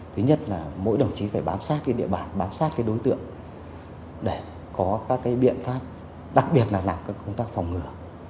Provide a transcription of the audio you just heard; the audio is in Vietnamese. thứ nhất là mỗi đồng chí phải bám sát địa bản bám sát đối tượng để có các biện pháp đặc biệt là làm các công tác phòng ngừa